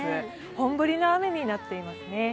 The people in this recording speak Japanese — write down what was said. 本降りの雨になっていますね。